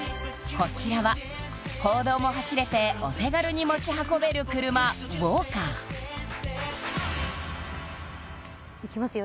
こちらは公道も走れてお手軽に持ち運べる車ＷＡＬＫＣＡＲいきますよ